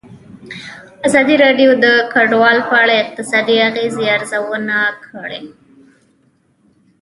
ازادي راډیو د کډوال په اړه د اقتصادي اغېزو ارزونه کړې.